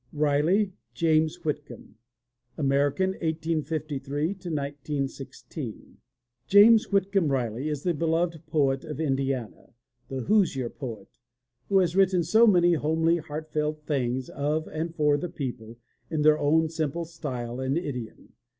RILEY, JAMES WHITCOMB (American, 1853 1916) James Whitcomb Riley is the beloved poet of Indiana, the Hoosier poet, who has written so many homely, heartfelt things of and for the people, in their own simple style and idiom.